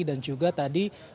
dan juga tadi